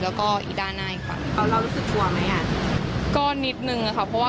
มันก็ยังมีความจำเป็นต้องใช้อยู่ชีวิตในเมืองตรงนี้ด้วย